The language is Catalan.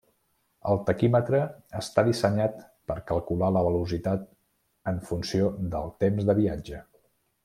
El taquímetre està dissenyat per calcular la velocitat en funció del temps de viatge.